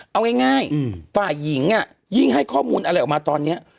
เอาง่ายฝ่ายหญิงยิ่งให้ข้อมูลอะไรออกมาตอนนี้